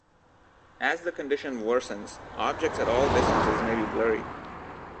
As the condition worsens, objects at all distances may be blurry.